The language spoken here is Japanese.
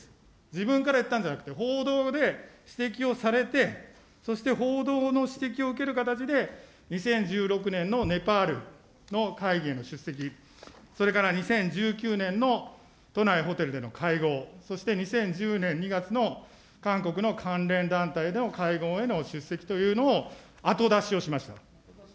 自分から言ったんじゃなくて、報道で指摘をされて、そして報道の指摘を受ける形で、２０１６年のネパールの会議への出席、それから２０１９年の都内ホテルでの会合、そして２０１０年２月の韓国の関連団体での会合への出席というのを、後出しをしました。